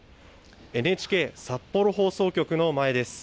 ＮＨＫ札幌放送局の前です。